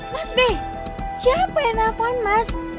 mas b siapa yang nelfon mas